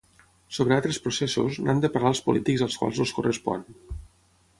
Sobre altres processos, n’han de parlar els polítics als quals els correspon.